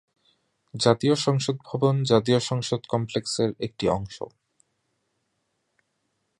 জাতীয় সংসদ ভবন জাতীয় সংসদ কমপ্লেক্সের একটি অংশ।